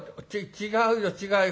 違うよ違うよ。